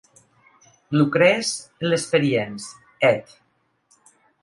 - Lucrèce et l'expérience, Éd.